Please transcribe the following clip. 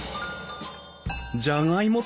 じゃがいも